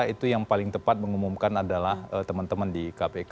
itu yang paling tepat mengumumkan adalah teman teman di kpk